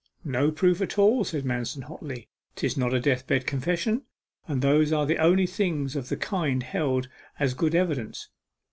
'No proof at all,' said Manston hotly. ''Tis not a death bed confession, and those are the only things of the kind held as good evidence.